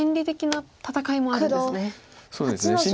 そうですね。